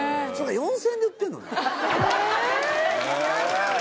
４０００円で売ってんのね。